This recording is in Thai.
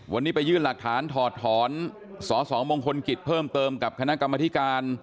วันนี้ไปยื่นหลักฐานถอดถอนสสมงคลกิจเพิ่มเติมกับคณะกรรมธิการ